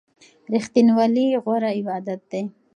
ریښتینولي غوره عادت دی.